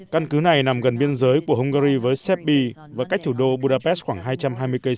căn cứ này nằm gần biên giới của hungary với sepi và cách thủ đô budapest khoảng hai trăm hai mươi năm km